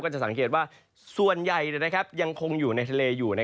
จะสังเกตว่าส่วนใหญ่ยังคงอยู่ในทะเลอยู่